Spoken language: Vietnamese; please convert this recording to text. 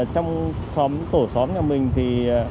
trong tổ xóm nhà mình thì